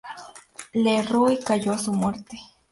Le erró y cayó a su muerte.